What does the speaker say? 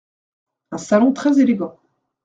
Un salon très élégant.